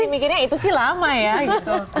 jadi mikirnya itu sih lama ya gitu